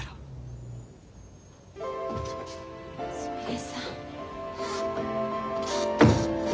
すみれさん。